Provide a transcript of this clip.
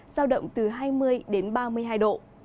giao động từ hai mươi đến ba mươi hai độ